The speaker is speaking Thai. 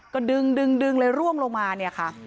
ก็ดึงดึงเลยร่วงลงมาเนี่ยค่ะ